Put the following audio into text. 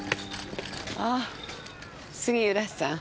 あ杉浦さん。